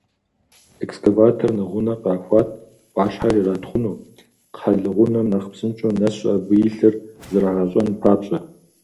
Экскаватор нэгъунэ къахуат, Ӏуащхьэр иратхъуну, кхъэлэгъунэм нэхъ псынщӀэу нэсу абы илъыр зрагъэщӀэн папщӀэ.